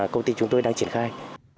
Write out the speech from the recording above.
công ty chúng tôi đang triển khai